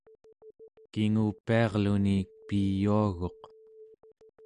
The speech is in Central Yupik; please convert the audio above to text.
kingupiarluni piyuaguq